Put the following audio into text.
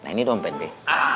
nah ini dompet bek